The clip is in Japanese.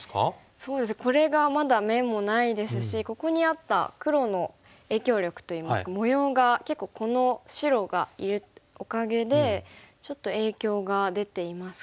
そうですねこれがまだ眼もないですしここにあった黒の影響力といいますか模様が結構この白がいるおかげでちょっと影響が出ていますかね。